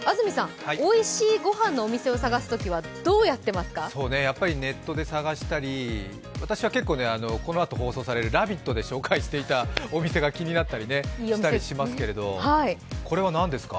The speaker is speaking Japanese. おいしいお店を探すときネットで探したり私は結構、このあと放送される「ラヴィット！」で紹介されるお店が気になったりしたりしますけどこれは何ですか？